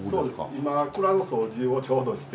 今蔵の掃除をちょうどして。